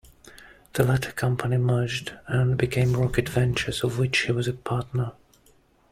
The latter company merged and became Rocket Ventures, of which he was a partner.